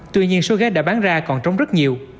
tuy nhiên số ghế đã bán ra còn trống rất nhiều